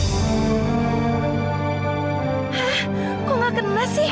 hah kok gak kena sih